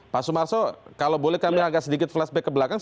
pak sumarso kalau boleh kami agak sedikit flashback ke belakang